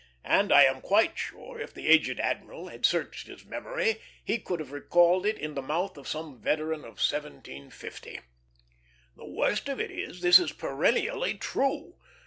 and I am quite sure, if the aged admiral had searched his memory, he could have recalled it in the mouth of some veteran of 1750. The worst of it is, this is perennially true.